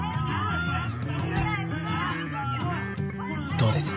どうです？